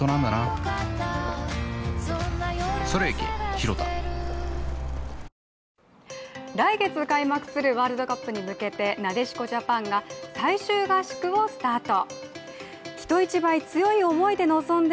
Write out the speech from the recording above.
ひろうって偉大だな来月開幕するワールドカップに向けてなでしこジャパンが最終合宿をスタート。